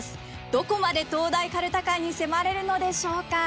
どこまで東大かるた会に迫れるのでしょうか？